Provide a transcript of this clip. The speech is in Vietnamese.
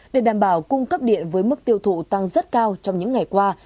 để đảm bảo cung cấp điện với mức tiêu thụ tăng rất cao trong những ngày qua